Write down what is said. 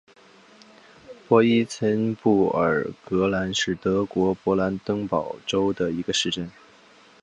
博伊岑布尔格尔兰是德国勃兰登堡州的一个市镇。